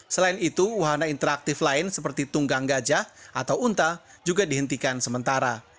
selain itu wahana interaktif lain seperti tunggang gajah atau unta juga dihentikan sementara